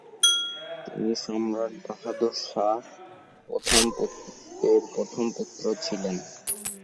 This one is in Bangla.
তিনি সম্রাট বাহাদুর শাহ প্রথম এর পুত্র ছিলেন।